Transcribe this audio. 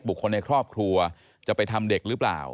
คนในครอบครัวจะไปทำเด็กหรือเปล่า